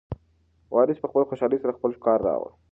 وارث په خوشحالۍ سره خپله ښکار راوړ.